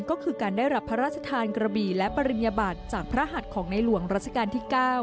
ก็คือการได้รับพระราชทานกระบี่และปริญญบัติจากพระหัสของในหลวงรัชกาลที่๙